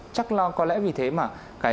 chắc có lẽ vì thế mà